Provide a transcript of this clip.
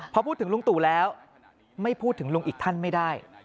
พอพูดถึงลุงตู่แล้วไม่พูดถึงลุงอีกท่านไม่ได้